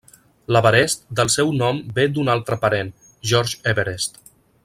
L'Everest del seu nom ve d'un altre parent, George Everest.